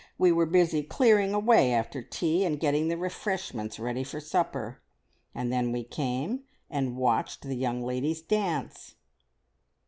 We were busy clearing away after tea, and getting the refreshments ready for supper, and then we came and watched the young ladies dance."